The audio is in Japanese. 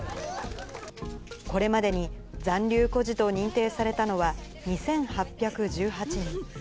これまでに、残留孤児と認定されたのは、２８１８人。